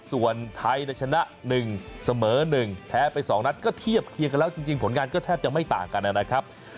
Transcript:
ส่วนไทยชนะ๑เสมอ๑แพ้ไป๒นัดก็เทียบเคียงกันแล้วจริงผลงานก็แทบจะไม่ต่างกันนะครับ